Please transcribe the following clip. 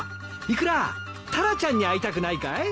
イクラタラちゃんに会いたくないかい？